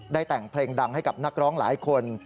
แต่งเพลงดังให้กับนักร้องหลายคน